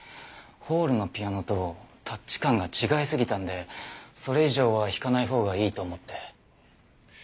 ホールのピアノとタッチ感が違いすぎたんでそれ以上は弾かないほうがいいと思って。